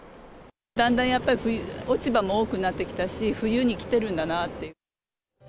だんだんやっぱり、冬、落ち葉も多くなってきたし、冬に来てるんだなって。